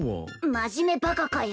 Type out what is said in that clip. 真面目バカかよ。